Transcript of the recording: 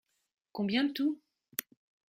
Combien le tout ?